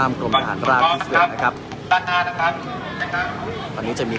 การประตูกรมทหารราชที่สิบเอ็ดเป็นภาพสดขนาดนี้นะครับ